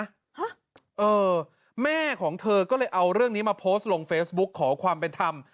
ฮะเออแม่ของเธอก็เลยเอาเรื่องนี้มาโพสต์ลงเฟซบุ๊กขอความเป็นธรรม